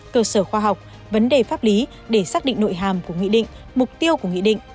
cơ sở khoa học vấn đề pháp lý để xác định nội hàm của nghị định mục tiêu của nghị định